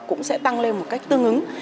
cũng sẽ tăng lên một cách tương ứng